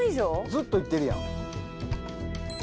ずっと行ってるやん。